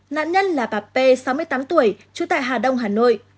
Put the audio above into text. nạn nhân là bà p sáu mươi tám tuổi trú tại hà đông hà nội